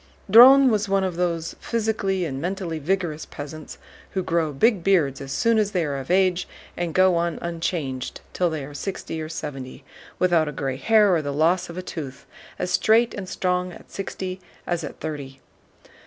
Dron was one of those physically and mentally vigorous peasants who grow big beards as soon as they are of age and go on unchanged till they are sixty or seventy, without a gray hair or the loss of a tooth, as straight and strong at sixty as at thirty.